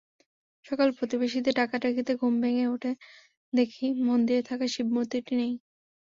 সকালে প্রতিবেশীদের ডাকাডাকিতে ঘুম থেকে ওঠে দেখি মন্দিরে থাকা শিবমূর্তিটি নেই।